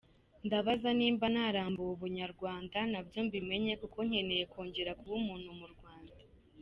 Ndabaza niba narambuwe Ubunyarwanda nabyo mbimenye kuko nkeneye kongera kuba umuntu mu Rwanda.